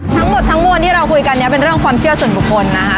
ทั้งหมดทั้งมวลที่เราคุยกันเนี่ยเป็นเรื่องความเชื่อส่วนบุคคลนะคะ